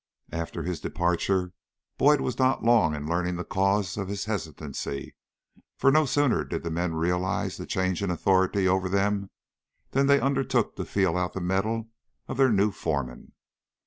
After his departure, Boyd was not long in learning the cause of his hesitancy, for no sooner did the men realize the change in authority over them than they undertook to feel out the mettle of their new foreman.